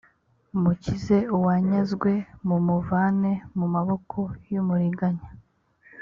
mukize uwanyazwe mumuvane mu maboko y umuriganya